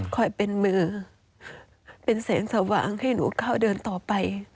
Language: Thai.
เป็นมือเป็นแสงสว่างให้หนูเข้าเดินต่อไป